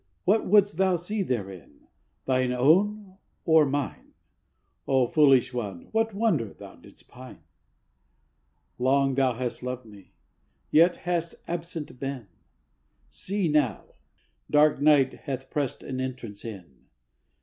'What would'st thou see thereinŌĆöthine own, or mine? O foolish one, what wonder thou did'st pine? Long thou hast loved me; yet hast absent been. See now: Dark night hath pressed an entrance in.